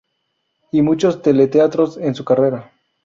Y muchos teleteatros en su carrera.